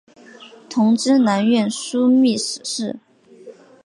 同知南院枢密使事。